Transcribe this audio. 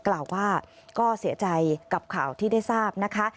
กล่าวว่าก็เสียใจกับข่าวที่ได้ทราบนะคะ